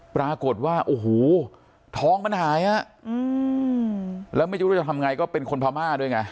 ปรากฏว่าโอ้โหท้องมันหายฮะแล้วไม่รู้จะทำไงก็เป็นคนพม่าด้วยไง